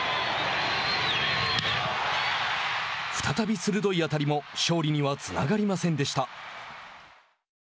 再び鋭い当たりも勝利にはつながりませんでした。